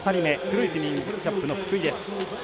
黒いスイミングキャップの福井です。